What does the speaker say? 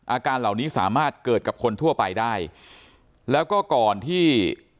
อาการเหล่านี้สามารถเกิดกับคนทั่วไปได้แล้วก็ก่อนที่